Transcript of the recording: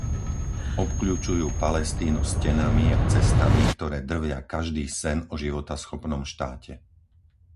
Obkľučujú Palestínu stenami a cestami, ktoré drvia každý sen o životaschopnom štáte.